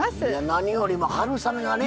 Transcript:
何よりも春雨がね